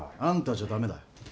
あんたじゃダメだ。